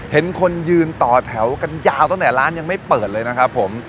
เห็นคนยืนต่อแถวกันยาวตั้งแต่ร้านยังไม่เปิดเลยนะครับผม